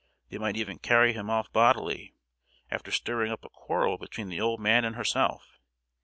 They might even carry him off bodily—after stirring up a quarrel between the old man and herself!